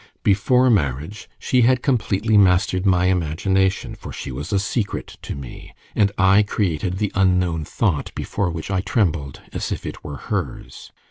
Before marriage she had completely mastered my imagination, for she was a secret to me; and I created the unknown thought before which I trembled as if it were hers.